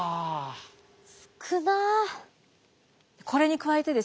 少な。